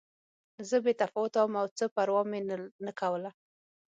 زه بې تفاوته وم او څه پروا مې نه کوله